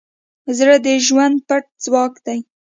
زړه د ژوند پټ ځواک دی.